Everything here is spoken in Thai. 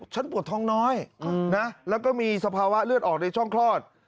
ปวดท้องน้อยนะแล้วก็มีสภาวะเลือดออกในช่องคลอด